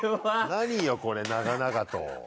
何よこれ長々と。